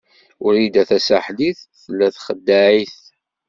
Wrida Tasaḥlit tella txeddeɛ-it.